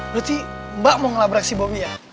berarti mbak mau ngelabrak si bobby ya